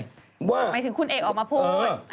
หมายถึงคุณเอกออกมาพูด